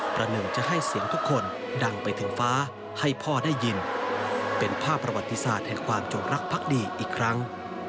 พระนึงจะให้เสียงทุกคนดังไปถึงภาพประวัติศาสตร์แทนความจงรักพักดีอีกครั้ง